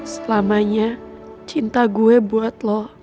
selamanya cinta gue buat lo